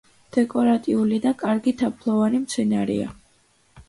დეკორატიული და კარგი თაფლოვანი მცენარეა.